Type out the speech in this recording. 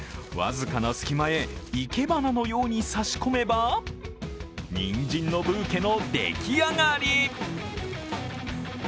僅かな隙間へ生け花のように差し込めばにんじんのブーケの出来上がり。